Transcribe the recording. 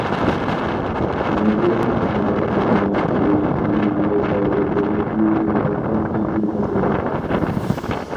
ۋەزىيەتنى قانداق مۇقىملاشتۇرۇش لىۋىيە دائىرىلىرى يۈزلىنىۋاتقان جىددىي مەسىلە.